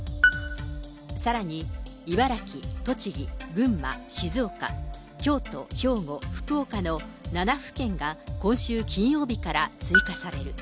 さらに茨城、栃木、群馬、静岡、京都、兵庫、福岡の７府県が今週金曜日から追加される。